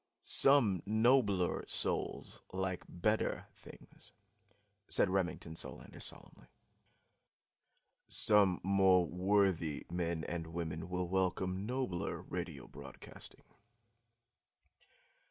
"Some nobler souls like better things," said Remington Solander solemnly. "Some more worthy men and women will welcome nobler radio broadcasting.